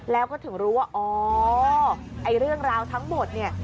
แล้วก็ถึงรู้ว่าอ๋อไอ้เรื่องราวทั้งหมดเนี่ย